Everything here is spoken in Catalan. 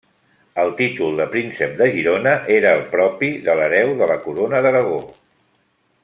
El títol de príncep de Girona era el propi de l'hereu de la Corona d'Aragó.